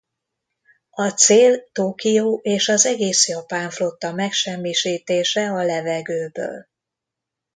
A cél Tokió és az egész japán flotta megsemmisítése a levegőből.